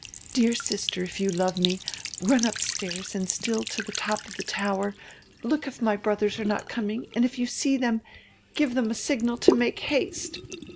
Dear sister, if you love me, run upstairs and still up to the top of the tower, look if my brothers are not coming, and if you see them, give them a signal to make haste!'